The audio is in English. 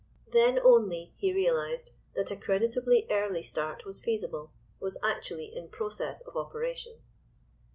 Then only he realised that a creditably early start was feasible—was actually in process of operation.